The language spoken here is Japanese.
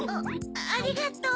ありがとう。